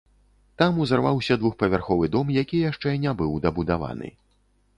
Там узарваўся двухпавярховы дом, які яшчэ не быў дабудаваны.